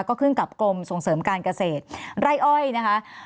ก็ขึ้นกับกรมส่งเสริมการเกษตรไร่อ้อยนะคะ